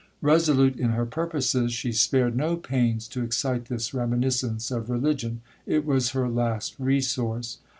'Resolute in her purposes, she spared no pains to excite this reminiscence of religion,—it was her last resource.